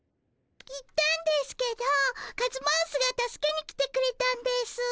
行ったんですけどカズマウスが助けに来てくれたんですぅ。